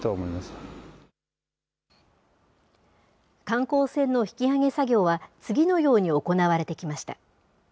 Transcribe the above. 観光船の引き揚げ作業は、次のように行われてきました。